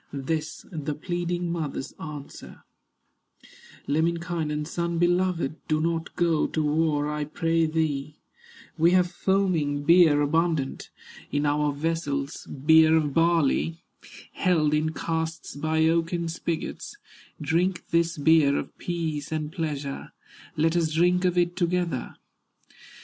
This the pleading mother's answer: "Lemminkainen, son beloved, Do not go to war I pray thee; We have foaming beer abundant, In our vessels beer of barley, Held in casks by oaken spigots; Drink this beer of peace and pleasure, Let us drink of it together."